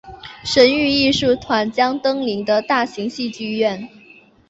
神韵艺术团登临的大型戏剧院。